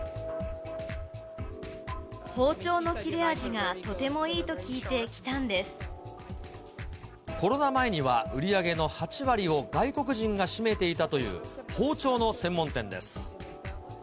包丁の切れ味がとてもいいとコロナ前には、売り上げの８割を外国人が占めていたという包丁の専門店です。